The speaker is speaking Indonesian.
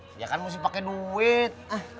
dia kan mesti pakai duit